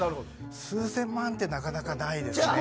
数千万ってなかなかないですね。